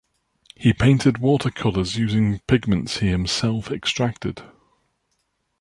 He painted watercolours using pigments he himself extracted.